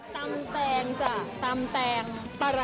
ตำแตงจ้ะตำแตงปลาร้า